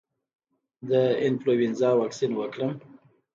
د انفلونزا واکسین وکړم؟